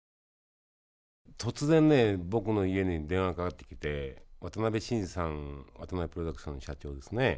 突然ね僕の家に電話がかかってきて渡辺晋さん渡辺プロダクションの社長ですね。